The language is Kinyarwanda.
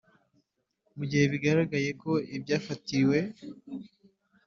Mu gihe bigaragaye ko ibyafatiriwe